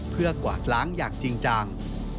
เพื่อกวาดล้างอย่างจริงจัง